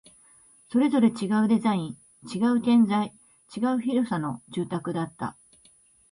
それぞれ違うデザイン、違う建材、違う広さの住宅だった